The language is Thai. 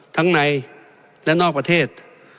ทั้งในและนอกประเทศ